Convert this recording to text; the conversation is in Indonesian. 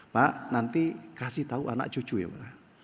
pak nanti kasih tahu anak cucu ya pak